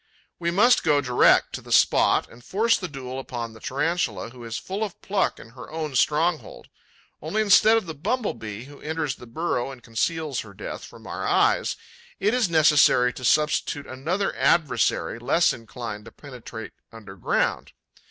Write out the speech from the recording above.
We must go direct to the spot and force the duel upon the Tarantula, who is full of pluck in her own stronghold. Only, instead of the Bumble bee, who enters the burrow and conceals her death from our eyes, it is necessary to substitute another adversary, less inclined to penetrate underground.